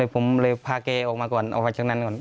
ผมเลยพาเขาออกไปจากนั้นก่อน